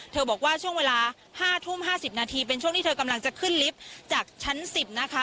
บอกว่าช่วงเวลา๕ทุ่ม๕๐นาทีเป็นช่วงที่เธอกำลังจะขึ้นลิฟต์จากชั้น๑๐นะคะ